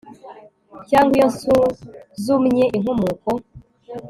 Cyangwa iyo nsuzumye inkomoko